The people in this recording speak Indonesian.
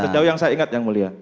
sejauh yang saya ingat yang mulia